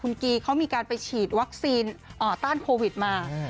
คุณกีเขามีการไปฉีดวัคซีนต้านโควิดมา